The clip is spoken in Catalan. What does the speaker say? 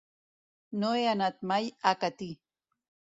No he anat mai a Catí.